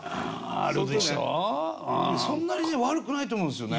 そんなにね悪くないと思うんですよね。